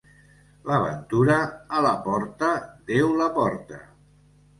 La ventura a la porta, Déu la porta.